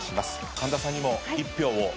神田さんにも１票を。